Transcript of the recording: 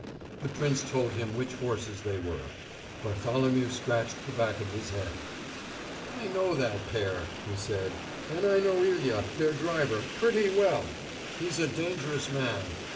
The prince told him which horses they were. Bartholomew scratched the back of his head. "I know that pair," he said, "and I know Ilya, their driver, pretty well. He's a dangerous man.